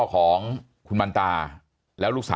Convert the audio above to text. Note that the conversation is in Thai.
มีความรู้สึกว่า